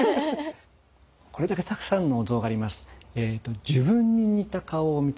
これだけたくさんのお像があります。